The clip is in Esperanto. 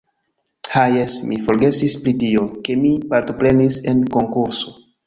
Ha jes, mi forgesis pri tio, ke mi partoprenis en konkurso